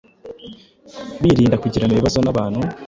birinda kugirana ibibazo n’abantu.